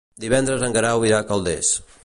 Divendres en Guerau irà a Calders.